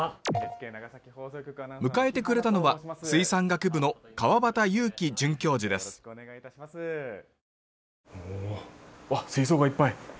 迎えてくれたのは水産学部の河端雄毅准教授ですわっ水槽がいっぱい。